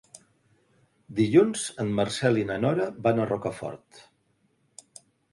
Dilluns en Marcel i na Nora van a Rocafort.